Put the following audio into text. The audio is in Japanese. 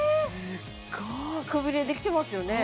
すっごいくびれできてますよね